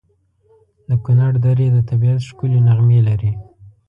د کنړ درې د طبیعت ښکلي نغمې لري.